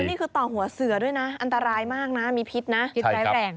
แล้วนี่คือต่อหัวเสือด้วยนะอันตรายมากนะมีพิษนะ